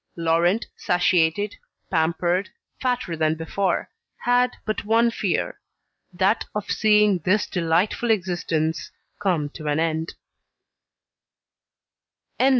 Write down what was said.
Laurent satiated, pampered, fatter than before, had but one fear, that of seeing this delightful existence come to an end.